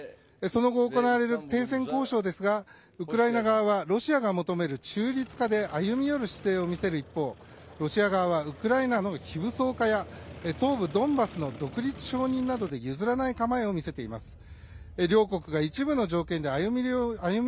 その後、行われる停戦交渉ですがウクライナ側はロシアが求める中立化で歩み寄る姿勢を見せる一方ロシア側はウクライナの非武装化や東部ドンバスなどの独立承認などで譲らない構えを見せています。